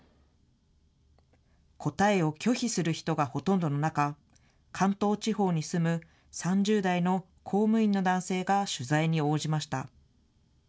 答えを拒否する人がほとんどの中、関東地方に住む３０代の公務員の男性が取材に応じました。